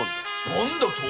何だと⁉